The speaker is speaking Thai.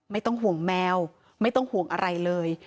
ไม่ต้องห่วงแมวไม่ต้องห่วงอะไรเลย